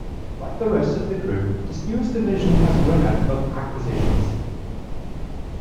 Like the rest of the group, this newest division has grown out of acquisitions.